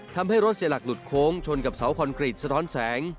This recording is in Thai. ทำให้รถเสียหลักหลุดโค้งชนกับเสาคอนกรีตสะท้อนแสง